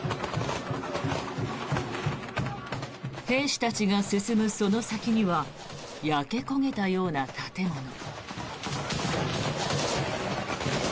兵士たちが進むその先には焼け焦げたような建物。